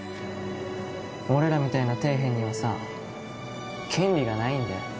俺らみたいな底辺にはさ、権利がないんだよ。